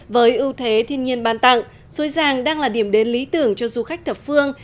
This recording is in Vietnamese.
với ưu thế thiên nhiên ban tặng suối giang đang là điểm đến lý tưởng cho du khách thập phương